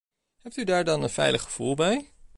Hebt u daar dan een veilig gevoel bij?